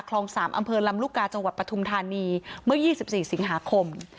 คลอง๓อำเภอลำลูกกาจังหวัดปฐุมธานีเมื่อ๒๔สิงหาคม